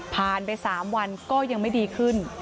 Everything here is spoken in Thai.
ผ่านไป๓วันก็ยังไม่ดีขึ้น